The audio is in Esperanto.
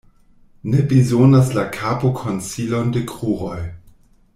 Ne bezonas la kapo konsilon de kruroj.